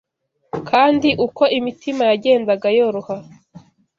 Kandi uko imitima yagendaga yoroha